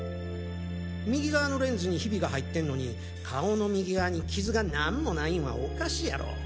右側のレンズにヒビが入ってんのに顔の右側に傷が何も無いんはおかしいやろ？